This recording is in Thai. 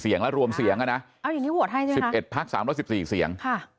๓๑๔เสียงและรวมเสียงนะเอาอย่างนี้โหวดให้ด้วยนะ๑๑พัก๓๑๔เสียง